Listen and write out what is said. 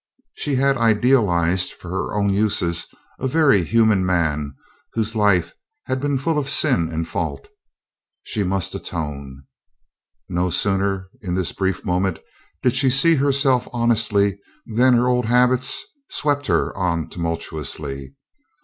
She had idealized for her own uses a very human man whose life had been full of sin and fault. She must atone. No sooner, in this brief moment, did she see herself honestly than her old habits swept her on tumultuously.